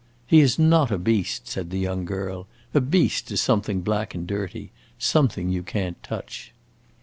"He is not a beast," said the young girl. "A beast is something black and dirty something you can't touch."